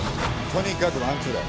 とにかくワンツーだ。